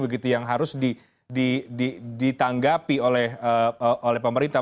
begitu yang harus ditanggapi oleh pemerintah